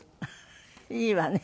いいわね。